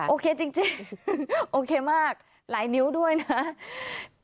โอเคจริงโอเคมากหลายนิ้วด้วยนะ